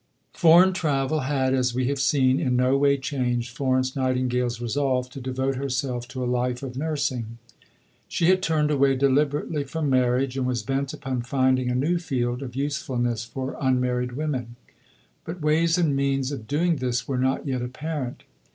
Foreign travel had, as we have seen, in no way changed Florence Nightingale's resolve to devote herself to a life of nursing. She had turned away deliberately from marriage, and was bent upon finding a new field of usefulness for unmarried women. But ways and means of doing this were not yet apparent.